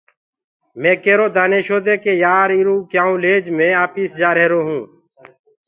مي ڪيرو دآنيشو دي ڪي يآر ايٚرو ڪيآئونٚ ليج مي آپيس جآهرونٚ پڇي